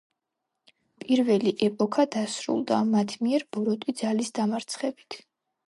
პირველი ეპოქა დასრულდა მათ მიერ ბოროტი ძალის დამარცხებით.